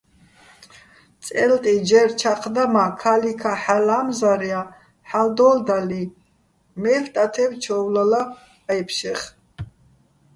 წე́ლტი ჯერ ჩაჴ და, მა́ ქა́ლიქა́ ჰ̦ალო̆ ლა́მზარჲაჼ ჰ̦ალო̆ დო́ლდალიჼ, მელ' ტათებ ჩო́ვლალა აჲფშეხ.